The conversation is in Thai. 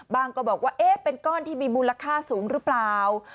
ก็บอกว่าเอ๊ะเป็นก้อนที่มีมูลค่าสูงหรือเปล่า